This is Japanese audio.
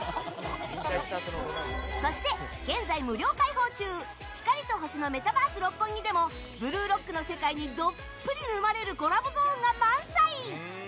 そして現在、無料開放中光と星のメタバース六本木でも「ブルーロック」の世界にどっぷり沼れるコラボゾーンが満載。